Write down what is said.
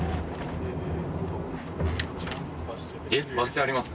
バス停あります？